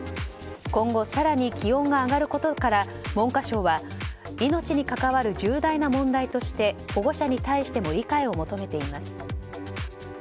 今後、更に気温が上がることから文科省は命に関わる重大な問題として保護者に対しても理解を求めています。